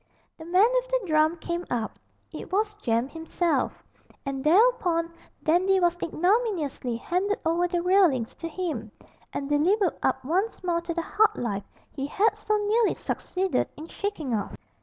The man with the drum came up it was Jem himself; and thereupon Dandy was ignominiously handed over the railings to him, and delivered up once more to the hard life he had so nearly succeeded in shaking off.